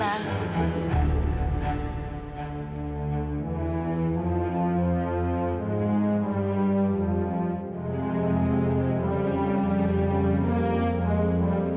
ya pak haris